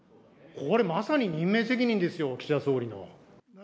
これ、まさに任命責任ですよ、岸田総理の。